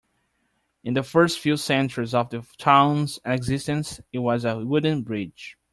In the first few centuries of the town's existence, it was a wooden bridge.